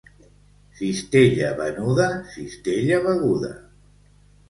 Cistella venuda, cistella beguda.